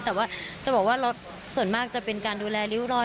แต่ว่าจะบอกว่าส่วนมากจะเป็นการดูแลริ้วรอย